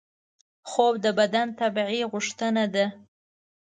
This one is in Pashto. خوب د بدن طبیعي غوښتنه ده